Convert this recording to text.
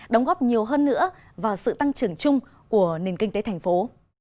đóng góp nhiều hơn nữa vào sự tăng trưởng chung của nền kinh tế thành phố